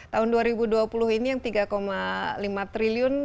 tahun dua ribu dua puluh ini yang tiga lima triliun